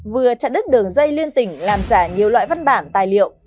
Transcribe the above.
vừa chặn đứt đường dây liên tỉnh làm giả nhiều loại văn bản tài liệu